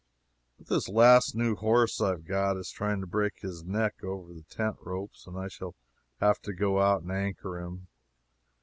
But this last new horse I have got is trying to break his neck over the tent ropes, and I shall have to go out and anchor him.